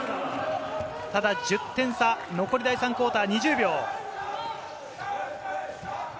ただ１０点差、残り第３クオーター、２０秒。